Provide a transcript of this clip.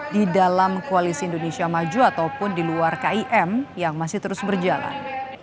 di dalam koalisi indonesia maju ataupun di luar kim yang masih terus berjalan